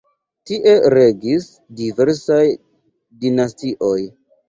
Tie regis diversaj dinastioj.